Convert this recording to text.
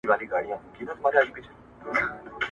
د مدینې بېوزله خلکو ته د خوراک نوې وسیله پیدا شوه.